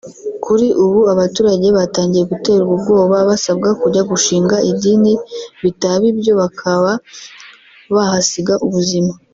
Kuri ubu aba baturage batangiye guterwa ubwoba basabwa kujya gushinga idini bitaba ibyo bakaba bahasiga ubuzima